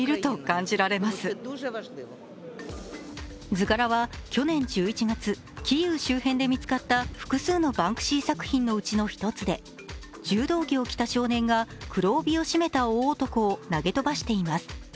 図柄は去年１１月、キーウ周辺で見つかった複数のバンクシー作品のうちの１つで、柔道着を着た少年が黒帯を締めた大男を投げ飛ばしています。